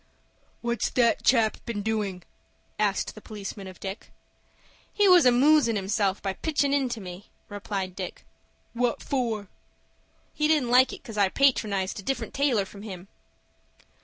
"What's that chap been doing?" asked the policeman of Dick. "He was amoosin' himself by pitchin' into me," replied Dick. "What for?" "He didn't like it 'cause I patronized a different tailor from him."